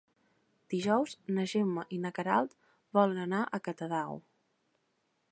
Dijous na Gemma i na Queralt volen anar a Catadau.